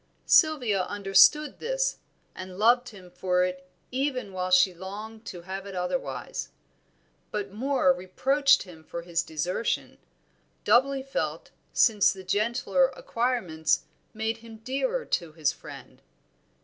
Sylvia understood this, and loved him for it even while she longed to have it otherwise. But Moor reproached him for his desertion, doubly felt since the gentler acquirements made him dearer to his friend.